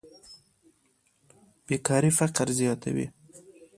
بېکاري فقر زیاتوي.